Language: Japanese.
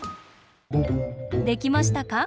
できましたか？